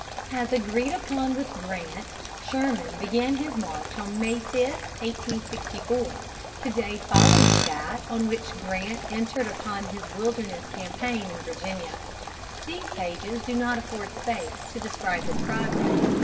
As agreed upon with Grant, Sherman began his march on May 5, 1864, the day following that on which Grant entered upon his Wilderness campaign in Virginia. These pages do not afford space to describe his progress.